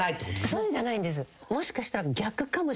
そういうのじゃないんです。